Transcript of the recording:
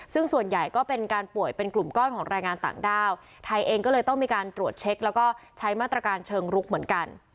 ซึ่งส่วนใหญ่ก็เป็นการป่วยเป็นกลุ่มก้อนของแรงงานต่างด้าวไทยเองก็เลยต้องมีการตรวจเช็คแล้วก็ใช้มาตรการเชิงลุกเหมือนกัน